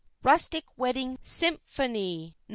"RUSTIC WEDDING" SYMPHONY (No.